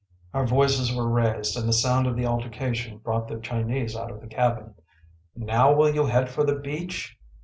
Our voices were raised, and the sound of the altercation brought the Chinese out of the cabin. “Now will you head for the beach?